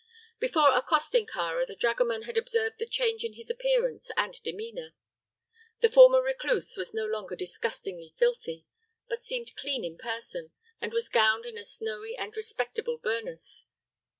Before accosting Kāra the dragoman had observed the change in his appearance and demeanor. The former recluse was no longer disgustingly filthy, but seemed clean in person and was gowned in a snowy and respectable burnous.